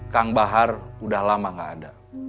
kang bahar udah lama gak ada